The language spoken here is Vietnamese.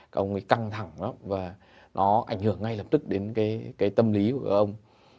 các ông ấy căng thẳng lắm và nó ảnh hưởng ngay lập tức đến cái tâm lý của ông